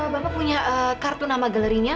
bapak punya kartu nama galerinya